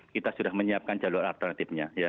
kita sudah menyiapkan jalur alternatifnya